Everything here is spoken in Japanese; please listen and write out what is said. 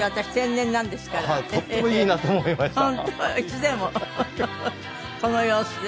いつでもこの様子で。